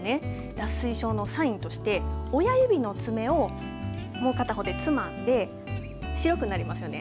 脱水症のサインとして親指の爪をもう片方でつまんで白くなりますよね。